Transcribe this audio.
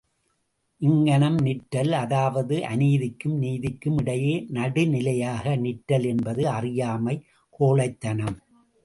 இங்கனம் நிற்றல், அதாவது அநீதிக்கும் நீதிக்கும் இடையே நடுநிலையாக நிற்றல் என்பது அறியாமை கோழைத்தனம்!